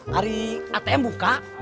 hari atm buka